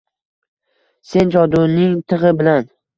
Sen joduning tig’i bilan